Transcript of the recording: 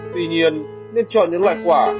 tuy nhiên nên chọn những loại quả